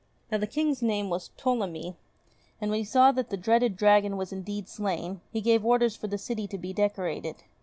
Now the King's name was Ptolemy, and when he saw that the dreaded dragon was indeed slain, he gave orders for the city to be decorated.